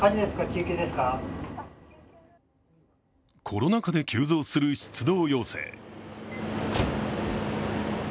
コロナ禍で急増する出動要請。